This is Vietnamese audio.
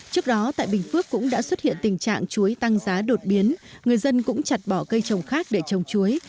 trước đó tại bình phước cũng đã xuất hiện tình trạng chuối tăng giá đột biến người dân cũng chặt bỏ cây trồng khác để trồng chuối